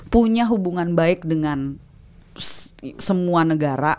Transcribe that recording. punya hubungan baik dengan semua negara